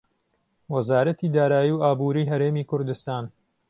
وەزارەتی دارایی و ئابووری هەرێمی کوردستان